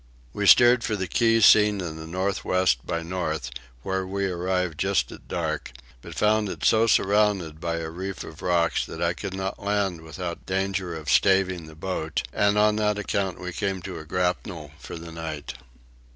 We steered for the key seen in the north west by north where we arrived just at dark, but found it so surrounded by a reef of rocks that I could not land without danger of staving the boat; and on that account we came to a grapnel for the night.